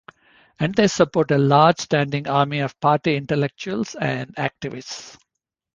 And they support a large standing army of party intellectuals and activists.